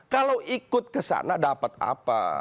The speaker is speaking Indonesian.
kalau ikut ke sana dapat apa